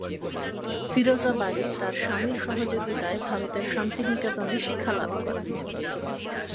ফিরোজা বারী তার স্বামীর সহযোগিতায় ভারতের শান্তিনিকেতনে শিক্ষা লাভ করেন।